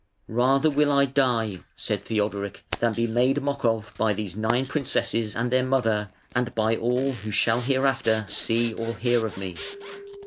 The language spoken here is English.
"Rather will I die", said Theodoric "than be made mock of by these nine princesses and their mother, and by all who shall hereafter see or hear of me".